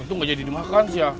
itu nggak jadi dimakan sih ya